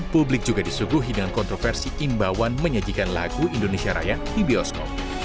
publik juga disuguhi dengan kontroversi imbauan menyajikan lagu indonesia raya di bioskop